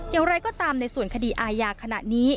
อย่างไรก็ตามในส่วนคดีอาญาขณะนี้